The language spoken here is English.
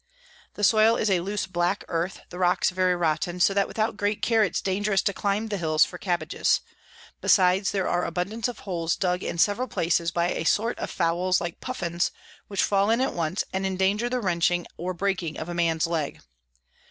The Soil is a loose black Earth, the Rocks very rotten, so that without great care it's dangerous to climb the Hills for Cabbages: besides, there are abundance of Holes dug in several places by a sort of Fowls like Puffins, which fall in at once, and endanger the wrenching or breaking of a Man's Leg.